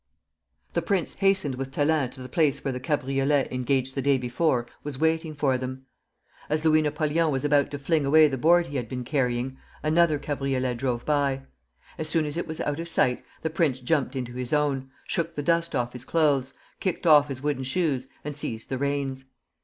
The prince hastened with Thélin to the place where the cabriolet engaged the day before was waiting for them. As Louis Napoleon was about to fling away the board he had been carrying, another cabriolet drove by. As soon as it was out of sight, the prince jumped into his own, shook the dust off his clothes, kicked off his wooden shoes, and seized the reins.